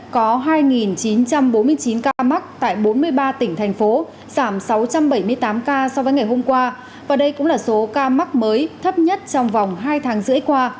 có hai chín trăm bốn mươi chín ca mắc tại bốn mươi ba tỉnh thành phố giảm sáu trăm bảy mươi tám ca so với ngày hôm qua và đây cũng là số ca mắc mới thấp nhất trong vòng hai tháng rưỡi qua